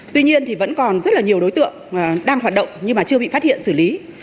tuy nhiên thì vẫn còn rất là nhiều đối tượng đang hoạt động nhưng mà chưa bị phát hiện xử lý